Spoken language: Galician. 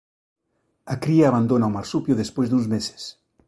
A cría abandona o marsupio despois duns meses.